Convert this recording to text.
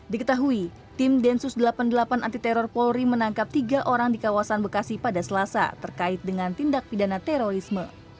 diketahui tim densus delapan puluh delapan anti teror polri menangkap tiga orang di kawasan bekasi pada selasa terkait dengan tindak pidana terorisme